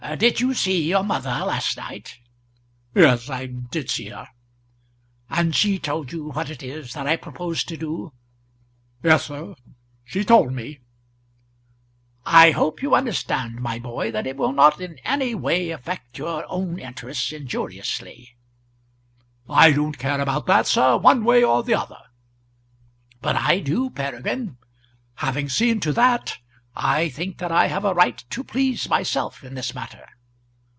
"Did you see your mother last night?" "Yes; I did see her." "And she told you what it is that I propose to do?" "Yes, sir; she told me." "I hope you understand, my boy, that it will not in any way affect your own interests injuriously." "I don't care about that, sir one way or the other." "But I do, Peregrine. Having seen to that I think that I have a right to please myself in this matter."